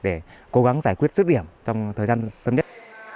để cố gắng giải quyết rứt điểm trong thời gian sớm nhất